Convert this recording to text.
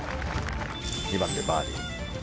２番でバーディー。